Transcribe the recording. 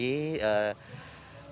kita akan menambah beberapa tim lagi